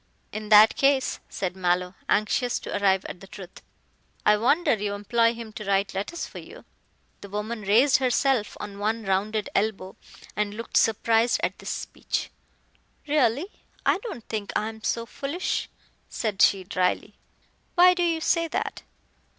"In that case," said Mallow, anxious to arrive at the truth, "I wonder you employ him to write letters for you." The woman raised herself on one rounded elbow and looked surprised at this speech. "Really, I don't think I am so foolish," said she dryly. "Why do you say that?"